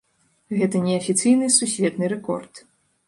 Гэта неафіцыйны сусветны рэкорд.